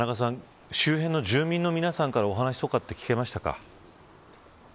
田中さん、周辺の住民の皆さんからお話は聞けましたか。